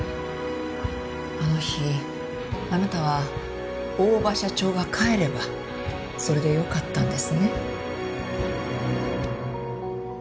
あの日あなたは大庭社長が帰ればそれでよかったんですね？